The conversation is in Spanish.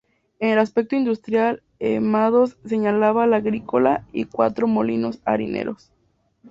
En el aspecto industrial, el Madoz señalaba la agrícola y cuatro molinos harineros.